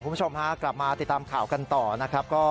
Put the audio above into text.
คุณผู้ชมฮะกลับมาติดตามข่าวกันต่อนะครับ